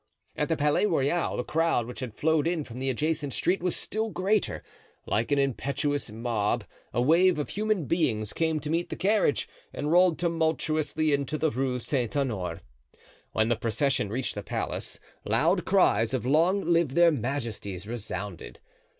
At the Palais Royal, the crowd, which had flowed in from the adjacent street was still greater; like an impetuous mob, a wave of human beings came to meet the carriage and rolled tumultuously into the Rue Saint Honore. When the procession reached the palace, loud cries of "Long live their majesties!" resounded.